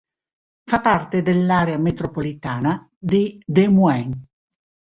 Fa parte dell'area metropolitana di Des Moines.